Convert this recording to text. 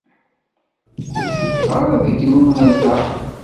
Ur cukkeɣ ara d akken umnent-aɣ.